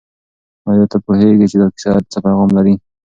آیا ته پوهېږې چې دا کیسه څه پیغام لري؟